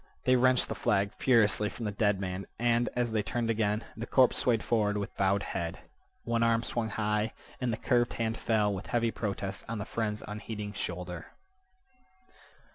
They wrenched the flag furiously from the dead man, and, as they turned again, the corpse swayed forward with bowed head. One arm swung high, and the curved hand fell with heavy protest on the friend's unheeding shoulder.